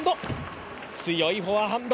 強いフォアハンド。